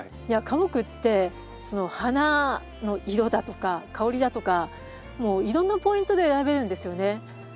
花木ってその花の色だとか香りだとかもういろんなポイントで選べるんですよね。